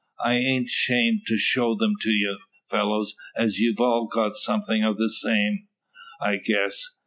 I ain't 'shamed to show 'em to you fellows; as ye've all got something o' the same, I guess.